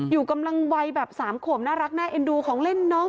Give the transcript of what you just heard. อยู่กำลังวัยแบบ๓ขวบน่ารักน่าเอ็นดูของเล่นน้อง